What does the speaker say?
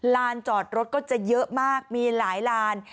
ลานจอดรถก็จะเยอะมากมีหลายลาน